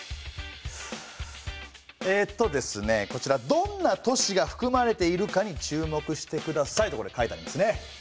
「どんな都市が含まれているかに注目して下さい」とこれ書いてありますね。